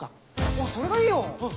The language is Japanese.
おっそれがいいよ。